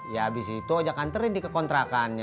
ya abis itu ojak anterin di kekontrakan nya